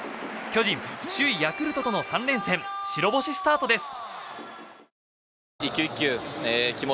巨人、首位ヤクルトとの３連戦白星スタートです。